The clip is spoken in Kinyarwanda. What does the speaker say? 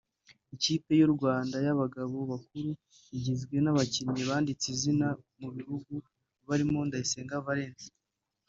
Ikipe y’u Rwanda y’abagabo bakuru igizwe n’abakinnyi banditse izina mu gihugu barimo Ndayisenga Valens